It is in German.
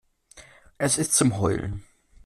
Es ist zum Heulen.